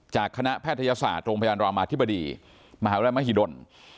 คณะแพทยศาสตร์โรงพยาบาลรามาธิบดีมหาวิทยาลัยมหิดล